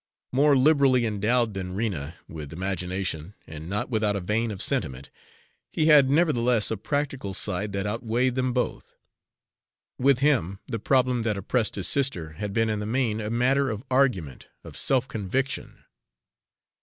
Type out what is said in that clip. More liberally endowed than Rena with imagination, and not without a vein of sentiment, he had nevertheless a practical side that outweighed them both. With him, the problem that oppressed his sister had been in the main a matter of argument, of self conviction.